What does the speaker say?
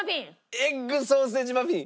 エッグソーセージマフィン。